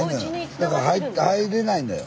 だから入れないのよ。